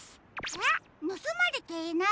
えっぬすまれていない？